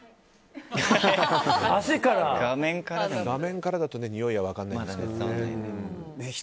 画面からだとにおいは分からないんですけど。